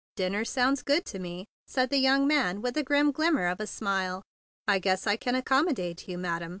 "Dinner sounds good to me," said the young man with a grim glimmer of a smile. "I guess I can accommodate you, madam.